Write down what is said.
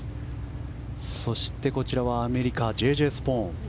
そして、アメリカＪ・Ｊ・スポーン。